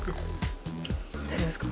大丈夫ですか？